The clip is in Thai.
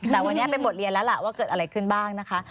แต่วันนี้เป็นบทเรียนแล้วล่ะว่าเกิดอะไรขึ้นบ้างนะคะ